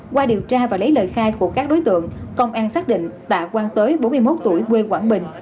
qua điều tra và lấy lời khai của các đối tượng công an xác định tạ quang tới bốn mươi một tuổi quê quảng bình